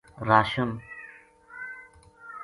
راشن